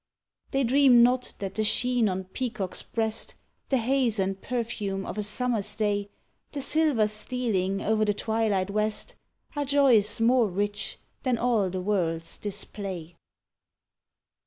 They dream not that the sheen on peacock's breast, The haze and perfume of a Summer's day, The silver stealing o'er the twilight West Are joys more rich than all the world's display."